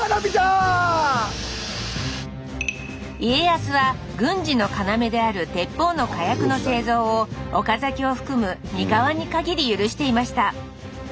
家康は軍事の要である鉄砲の火薬の製造を岡崎を含む三河に限り許していました。